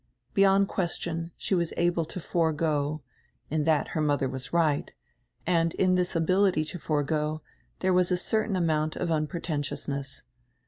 Beyond question, she was able to forego — in that her mother was right — and in diis ability to forego diere was a certain amount of unpre tentiousness.